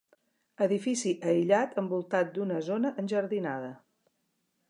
Edifici aïllat envoltat d'una zona enjardinada.